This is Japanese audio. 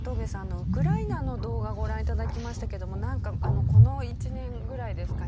ウクライナの動画ご覧頂きましたけどもなんかこの１年ぐらいですかね